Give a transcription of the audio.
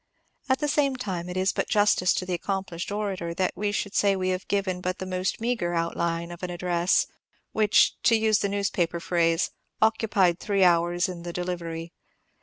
At the same time, it is but justice to the accomplished orator that we should say we have given but the most meagre outline of an address which, to use the newspaper phrase, "occupied three hours in the delivery."